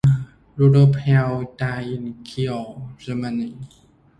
Rudolf Hell died in Kiel, Germany.